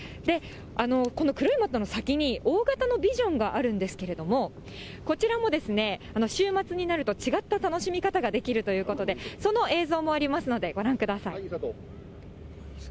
この黒いマットの先に大型のビジョンがあるんですけれども、こちらも週末になると、違った楽しみ方ができるということで、その映像もありますので、ご覧ください。